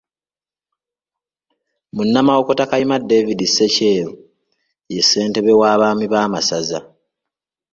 Munnamawokota Kayima David Ssekyeru ye ssentebe w'Abaami b'amasaza.